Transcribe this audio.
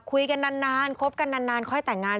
คุยกันนานคบกันนานค่อยแต่งงาน